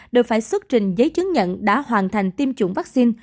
đều phải xuất trình giấy chứng nhận đã hoàn thành tiêm chủng vaccine